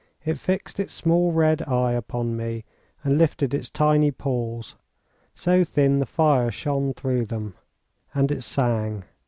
It fixed its small red eye upon me, and lifted its tiny paws, so thin the fire shone through them. And it sang....